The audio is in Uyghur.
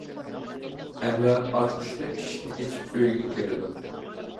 ئەنۋەر ئاچقۇچتا ئىشىكنى ئىچىپ ئۆيگە كىرىدۇ.